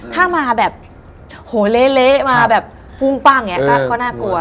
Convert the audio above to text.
ถ้ามาแบบโหเละมาแบบพุ่งปั้งอย่างนี้ก็น่ากลัว